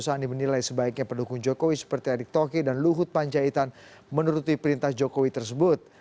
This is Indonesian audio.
sandi menilai sebaiknya pendukung jokowi seperti erick tokir dan luhut panjaitan menuruti perintah jokowi tersebut